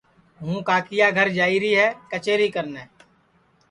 ہوں کاکیا گھر جائیری ہے کچیری کرنے